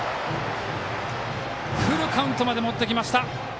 フルカウントまで持ってきました。